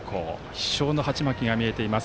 必勝の鉢巻きが見えています。